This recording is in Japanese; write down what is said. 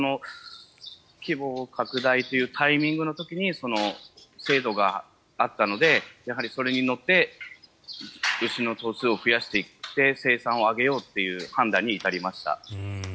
規模拡大というタイミングの時にその制度があったのでそれに乗って牛の頭数を増やしていって生産を上げようという判断に至りました。